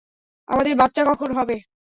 আমাদের বাচ্চা কখন হবে?